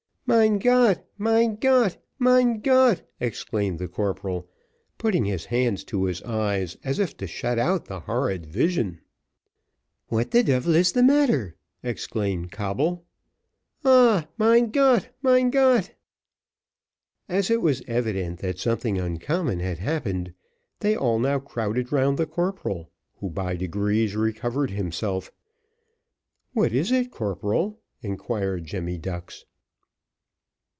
"Mein Gott, mein Gott, mein Gott!" exclaimed the corporal, putting his hands to his eyes as if to shut out the horrid vision. "What the devil is the matter?" exclaimed Coble. "Ah! mein Gott, mein Gott!" As it was evident that something uncommon had happened, they all now crowded round the corporal, who, by degrees, recovered himself. "What is it, corporal?" inquired Jemmy Ducks.